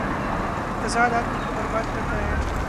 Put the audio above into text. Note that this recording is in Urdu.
تضاد آ دمی کو بر باد کر تا ہے۔